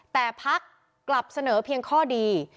แต่พักกลับเสนอเพียงข้อดี